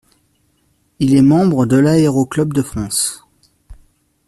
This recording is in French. Il est membre de l'Aéro-Club de France.